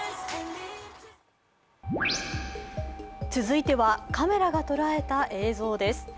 続いては、カメラがとらえた映像です。